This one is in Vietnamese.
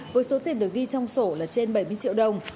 với số tiền được ghi trong sổ là trên bảy mươi triệu đồng